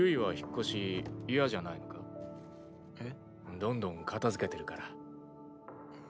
どんどん片づけてるから。